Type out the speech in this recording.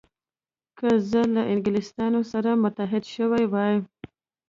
که زه له انګلیسانو سره متحد شوی وای.